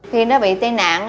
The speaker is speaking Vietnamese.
khi nó bị tai nạn